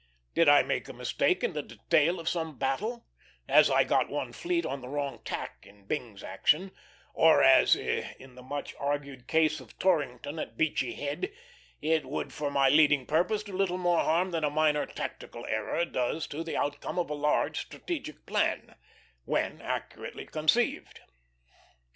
Did I make a mistake in the detail of some battle, as I got one fleet on the wrong tack in Byng's action, or as in the much argued case of Torrington at Beachy Head, it would for my leading purpose do little more harm than a minor tactical error does to the outcome of a large strategic plan, when accurately conceived.